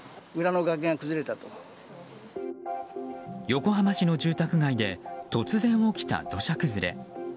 横浜市の住宅街で突然起きた土砂崩れ。